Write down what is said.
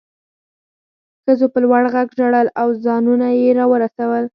ښځو په لوړ غږ ژړل او ځانونه یې راورسول